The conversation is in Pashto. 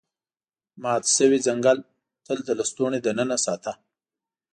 مات شوی څنګل تل د لستوڼي دننه ساته.